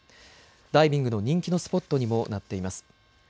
ダイビングの人気のスポットにもなっています。